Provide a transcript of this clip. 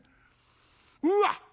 うわっ！